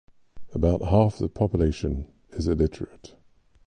About half of the population is illiterate.